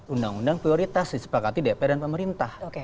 undang undang prioritas disepakati dpr dan pemerintah